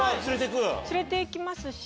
連れて行きますし。